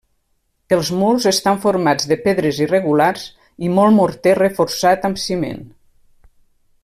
Els murs estan formats de pedres irregulars i molt morter reforçat amb ciment.